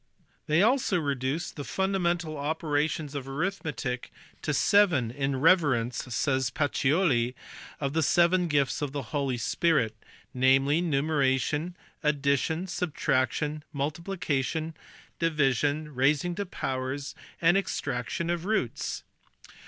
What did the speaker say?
They also reduced the fundamental operations of arithmetic " to seven, in reverence " says Pacioli "of the seven gifts of the Holy Spirit: namely, numeration, addition, subtraction, multiplication, division, raising to powers, and extraction of roots."